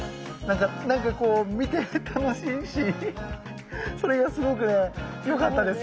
なんかこう見ていて楽しいしそれがすごくねよかったです。